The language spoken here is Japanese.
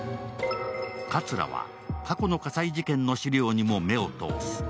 葛は過去の火災事件の資料にも目を通す。